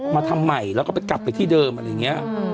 มาทำใหม่แล้วก็ไปกลับไปที่เดิมอะไรอย่างนี้